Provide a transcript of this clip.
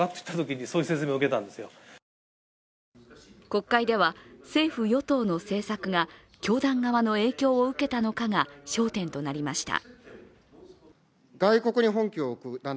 国会では政府・与党の政策が教団側の影響を受けたのかが焦点となりました。